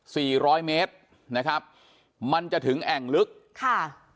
ร้อยเมตรนะครับมันจะถึงแอ่งลึกค่ะ